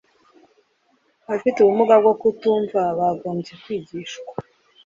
abafite ubumuga bwo kutumva bagombye kwigishwa